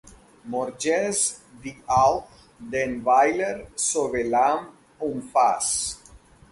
Morges, die auch den Weiler Soveillame umfass.